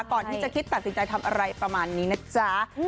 ก่อนที่จะคิดตัดสินใจทำอะไรประมาณนี้นะจ๊ะ